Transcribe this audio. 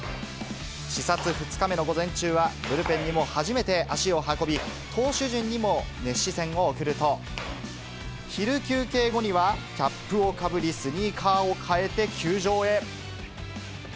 視察２日目の午前中は、ブルペンにも初めて足を運び、投手陣にも熱視線を送ると、昼休憩後には、キャップをかぶり、期待外れ？